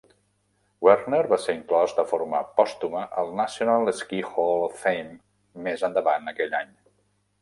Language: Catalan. Werner va ser inclòs de forma pòstuma al National Ski Hall of Fame més endavant aquell any.